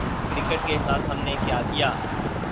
Cricket کے ساتھ ہم نے کیا کیا؟